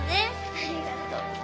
ありがとう。